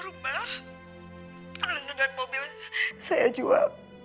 rumah lindung dan mobil saya jua